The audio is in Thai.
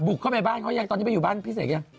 เข้าไปบ้านเขายังตอนนี้ไปอยู่บ้านพี่เสกยัง